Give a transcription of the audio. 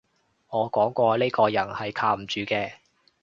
我講過呢個人係靠唔住嘅